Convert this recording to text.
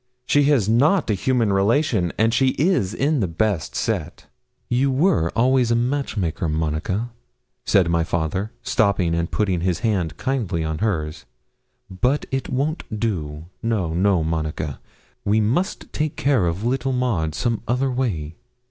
She has not a human relation, and she is in the best set.' 'You were always a match maker, Monica,' said my father, stopping, and putting his hand kindly on hers. 'But it won't do. No, no, Monica; we must take care of little Maud some other way.'